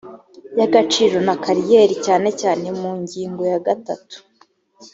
y agaciro na kariyeri cyane cyane mu ngingo ya gatatu